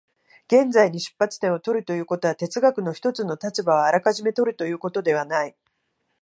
現実に出発点を取るということは、哲学の一つの立場をあらかじめ取るということではない。